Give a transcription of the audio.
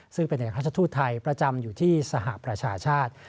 ซึ่งเป็นเอกราชทูตไทยประจำอยู่ที่สหประชาชาติ